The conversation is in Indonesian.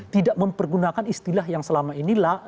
tidak mempergunakan istilah yang selama inilah